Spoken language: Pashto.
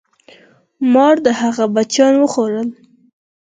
مار د هغه بچیان خوړل.